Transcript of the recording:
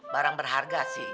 barang berharga sih